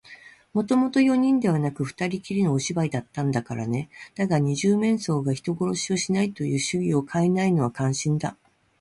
もともと四人ではなくて、ふたりきりのお芝居だったんだからね。だが、二十面相が人殺しをしないという主義をかえないのは感心だ。